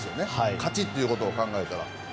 勝ちということを考えたら。